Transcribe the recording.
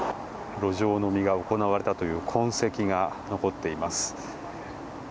路上飲みが行われたという痕跡が残っています。